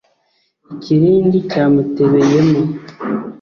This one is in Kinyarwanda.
Ikirindi cyamutebeye mo